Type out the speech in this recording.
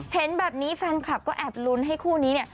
เห็นแบบนี้แฟนคลับก็แอบลุ้นให้คู่นี้เนี่ย